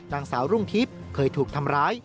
นางสาวรุ่งทิพย์เคยถูกทำร้าย